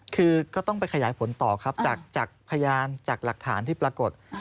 คือก็ต้องไปขยายผลต่อครับจากพยานจากหลักฐานที่ปรากฏ